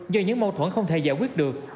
do những mâu thuẫn không thể giải quyết được